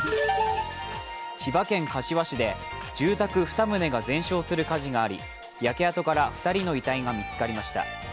千葉県柏市で住宅２棟が全焼する火事があり焼け跡から２人の遺体が見つかりました。